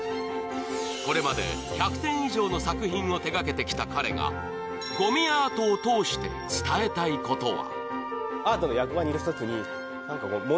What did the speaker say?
これまで１００点以上の作品を手がけてきた彼がごみアートを通して伝えたいことは。